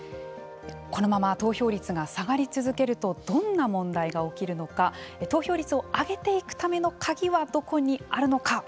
このまま投票率が下がり続けるとどんな問題が起きるのか投票率を上げていくための鍵はどこにあるのか。